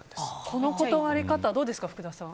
この断り方どうですか福田さん。